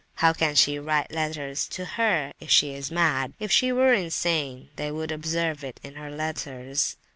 How can she write letters to her, if she's mad? If she were insane they would observe it in her letters."